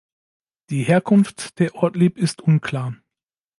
Die Herkunft der Ortlieb ist unklar.